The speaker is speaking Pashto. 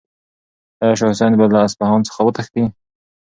آیا شاه حسین به له اصفهان څخه وتښتي؟